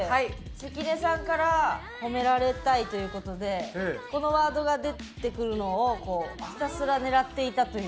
関根さんから褒められたいという事でこのワードが出てくるのをひたすら狙っていたという。